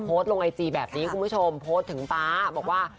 โพสต์ลงไอจีแบบนี้คุณผู้ชมโพสต์ถึงป๊าบอกว่า